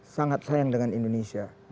sangat sayang dengan indonesia